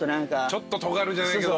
ちょっととがるじゃないけど。